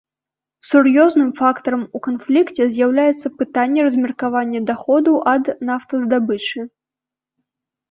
Сур'ёзным фактарам у канфлікце з'яўляецца пытанне размеркавання даходаў ад нафтаздабычы.